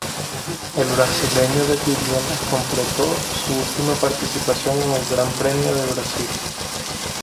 El brasileño de Williams completó su última participación en el Gran Premio de Brasil.